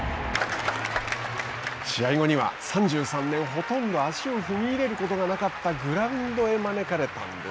試合後には３３年ほとんど足を踏み入れることがなかったグラウンドへ招かれたんです。